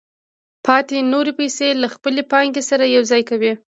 پاتې نورې پیسې له خپلې پانګې سره یوځای کوي